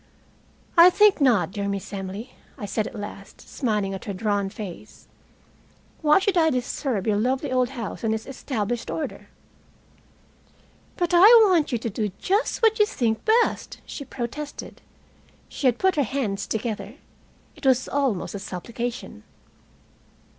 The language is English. "I think not, dear Miss Emily," I said at last, smiling at her drawn face. "Why should I disturb your lovely old house and its established order?" "But I want you to do just what you think best," she protested. She had put her hands together. It was almost a supplication.